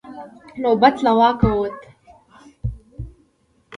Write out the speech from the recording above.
نوبت له واکه ووت.